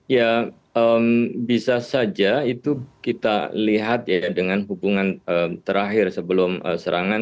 ya bisa saja itu kita lihat ya dengan hubungan terakhir sebelum serangan